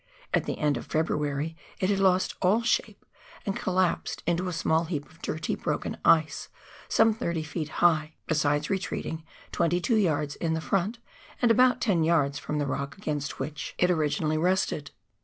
At the end of February it had lost all shape, and collapsed into a small heap of dirty, broken ice some thirty feet high, besides retreating twenty two yards in the front, and about ten yards from the rock against which 174 PIONEER WORK IN THE ALPS OF NEW ZEALAND. it originally rested.